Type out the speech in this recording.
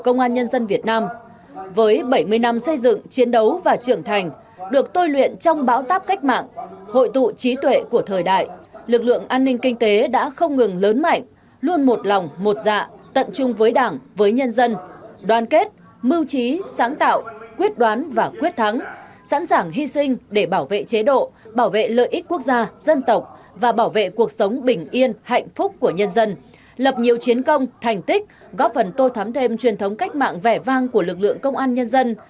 một mươi năm xây dựng chiến đấu và trưởng thành được tôi luyện trong bão táp cách mạng hội tụ trí tuệ của thời đại lực lượng an ninh kinh tế đã không ngừng lớn mạnh luôn một lòng một dạ tận chung với đảng với nhân dân đoàn kết mưu trí sáng tạo quyết đoán và quyết thắng sẵn sàng hy sinh để bảo vệ chế độ bảo vệ lợi ích quốc gia dân tộc và bảo vệ cuộc sống bình yên hạnh phúc của nhân dân lập nhiều chiến công thành tích góp phần tô thắm thêm truyền thống cách mạng vẻ vang của lực lượng công an nhân dân